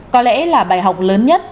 có lẽ là bài học lớn nhất